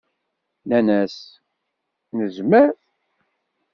Nnan-as: Nezmer.